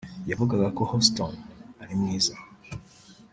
“yavugaga ko Houston ari mwiza